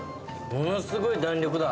ものすごい弾力だ。